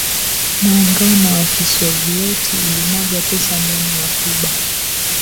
Muungano wa kisovieti ulimwaga pesa ndani ya Cuba